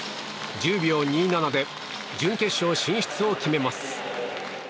１０秒２７で準決勝進出を決めます。